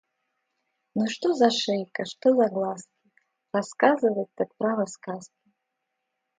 Ну что за шейка, что за глазки! Рассказывать, так, право, сказки!